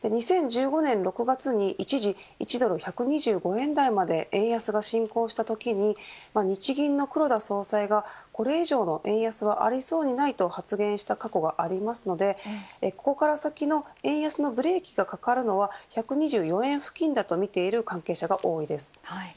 ２０１５年６月に一時１ドル１２５円台まで円安が進行したときに日銀の黒田総裁がこれ以上の円安はありそうにないと発言した過去がありますのでここから先の円安のブレーキがかかるのは１２４円付近とみている関係者が多いです。